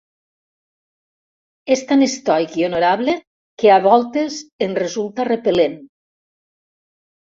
És tan estoic i honorable que a voltes ens resulta repel.lent.